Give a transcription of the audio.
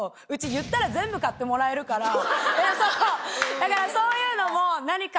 だからそういうのも。